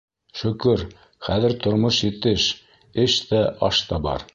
Шөкөр, хәҙер тормош етеш: эш тә, аш та бар.